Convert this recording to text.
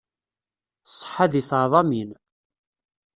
Ṣṣeḥa di teɛḍamin.